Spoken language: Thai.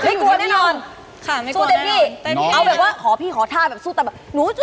คุณผู้ชมครับถึงเวลาระเบิดความมันเลยครับ